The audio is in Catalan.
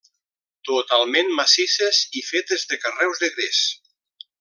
Totalment massisses i fetes de carreus de gres.